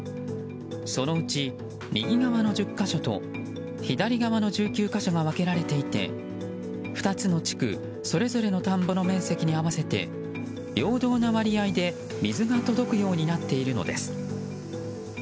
そのうち、右側の１０か所と左側の１９か所が分けられていて２つの地区それぞれの田んぼの面積に合わせて、平等な割合で水が届くようになっているのです。